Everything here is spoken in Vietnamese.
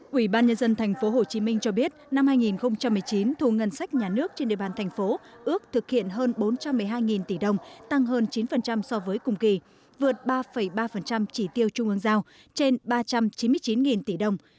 quỹ ban nhân dân tp hcm cho biết năm hai nghìn một mươi chín thu ngân sách nhà nước trên địa bàn thành phố ước thực hiện hơn bốn trăm một mươi hai tỷ đồng tăng hơn chín so với cùng kỳ vượt ba ba chỉ tiêu trung ương giao trên ba trăm chín mươi chín tỷ đồng